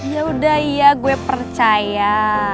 yaudah iya gue percaya